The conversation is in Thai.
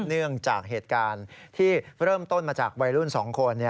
เนื่องจากเหตุการณ์ที่เริ่มต้นมาจากวัยรุ่น๒คน